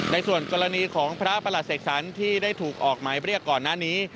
ในส่วนกรณีของพระประหลัดเสกสรรที่ได้ถูกออกหมายเรียกก่อนหน้านี้